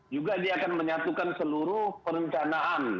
juga dia akan menyatukan seluruh perencanaan